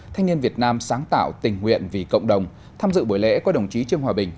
thanh niên việt nam sáng tạo tình nguyện vì cộng đồng tham dự buổi lễ có đồng chí trương hòa bình